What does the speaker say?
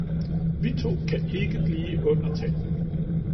Vi to kan ikke blive under tag